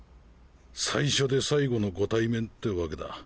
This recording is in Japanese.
最初で最後のご対面ってわけだ。